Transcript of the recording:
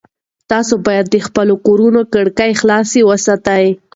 تاسي باید د خپلو کورونو کړکۍ خلاصې وساتئ.